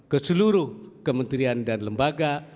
keseluruh kementerian dan lembaga